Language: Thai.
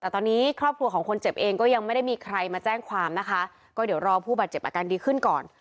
แต่ตอนนี้ครอบครัวของคนเจ็บเองก็ยังไม่ได้มีใครมาแจ้งความนะคะก็เดี๋ยวรอผู้บาดเจ็บอาการดีขึ้นก่อน